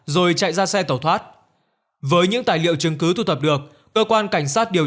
rồi chạy ra xe tẩu thoát với những tài liệu chứng cứ thu thập được cơ quan cảnh sát điều